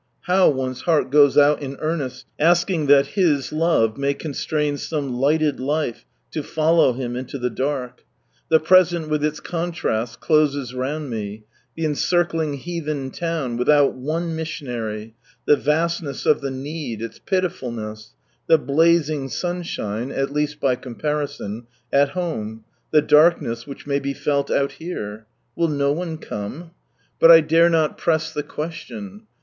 How one's heart goes out in earnest asking that His love may constrain some lighted life to follow Him into the dark \ The present with its contrasts closes round me — the encircling heathen town without one missionary, the vastness of the need, its pilifulness ; the blazing sunshine (at least by comparison) at home, the darkness which may be felt out here. Will no one come ? But I dare not press the question.